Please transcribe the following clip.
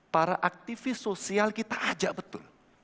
para aktivis sosial kita ajak betul